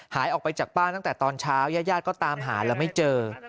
หายออกไปจากบ้านตั้งแต่ตอนเช้ายาดก็ตามหาแล้วไม่เจอ